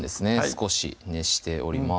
少し熱しております